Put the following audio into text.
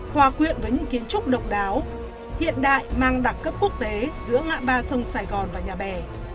hòa quyện với những kiến trúc độc đáo hiện đại mang đặc cấp quốc tế giữa ngã ba sông sài gòn và nhà bè